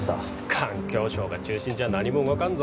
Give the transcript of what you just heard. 環境省が中心じゃ何も動かんぞ